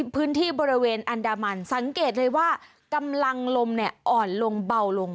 พื้นที่บริเวณอันดามันสังเกตเลยว่ากำลังลมอ่อนลงเบาลง